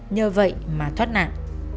nhờ vậy mà thoát nạn